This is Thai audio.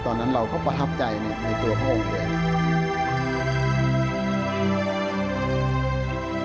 ตอนนั้นเราก็ประทับใจในตัวพระองค์เอง